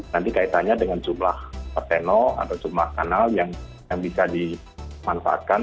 nanti kaitannya dengan jumlah perseno atau jumlah kanal yang bisa dimanfaatkan